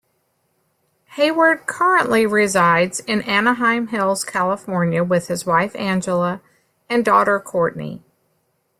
Hayward currently resides in Anaheim Hills, California with his wife Angela and daughter Courtney.